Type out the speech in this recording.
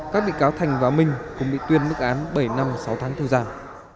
các bị cáo thành và minh cũng bị tuyên mức án bảy năm sáu tháng tù giam